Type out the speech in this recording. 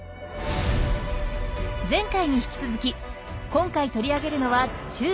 前回に引き続き今回取り上げるのは「中国」。